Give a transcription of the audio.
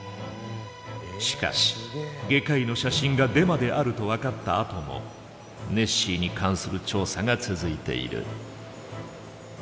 しかし「外科医の写真」がデマであると分かったあともネッシーに関する調査が続いている。